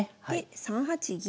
で３八銀。